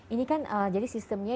ini kan jadi sistemnya